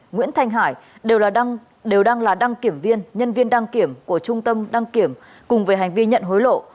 nguyễn thành hải đều đăng là đăng kiểm viên nhân viên đăng kiểm của trung tâm đăng kiểm cùng với hành vi nhận hối lộ